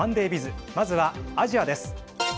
まずはアジアです。